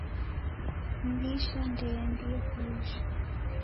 Mlisha ndeendie kulisha.